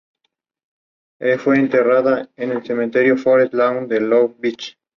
Clayton fue precisamente uno de los instrumentistas a quien más se aplicó dicha denominación.